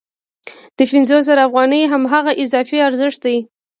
دا پنځوس زره افغانۍ هماغه اضافي ارزښت دی